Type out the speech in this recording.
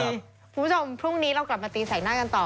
คุณผู้ชมพรุ่งนี้เรากลับมาตีแสงหน้ากันต่อ